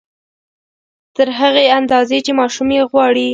تر هغې اندازې چې ماشوم يې غواړي